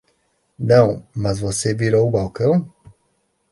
Não, mas você virou o balcão?